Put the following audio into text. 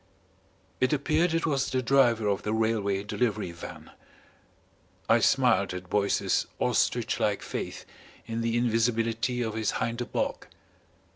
It appeared it was the driver of the Railway Delivery Van. I smiled at Boyce's ostrich like faith in the invisibility of his hinder bulk.